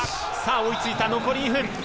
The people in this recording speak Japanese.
追いついた、残り２分。